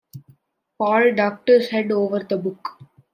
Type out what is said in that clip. Paul ducked his head over the book.